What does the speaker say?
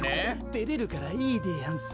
てれるからいいでやんす。